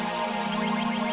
sini kita balik lagi